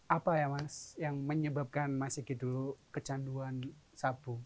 apa ya mas yang menyebabkan mas sigit dulu kecanduan sapu